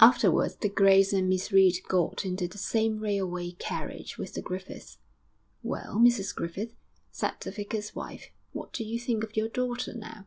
Afterwards the Grays and Miss Reed got into the same railway carriage with the Griffiths. 'Well, Mrs Griffith,' said the vicar's wife, 'what do you think of your daughter now?'